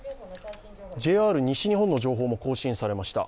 ＪＲ西日本の情報も更新されました。